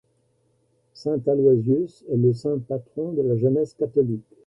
Saint Aloysius est le saint patron de la jeunesse catholique.